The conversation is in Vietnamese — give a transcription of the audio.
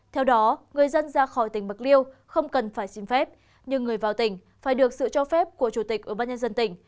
theo đó người dân ra khỏi tỉnh bạc liêu không cần phải xin phép nhưng người vào tỉnh phải được sự cho phép của chủ tịch ubnd tỉnh